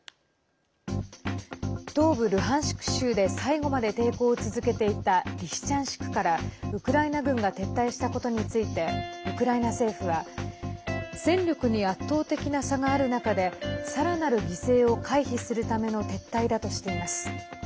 東部ルハンシク州で最後まで抵抗を続けていたリシチャンシクからウクライナ軍が撤退したことについてウクライナ政府は戦力に圧倒的な差がある中でさらなる犠牲を回避するための撤退だとしています。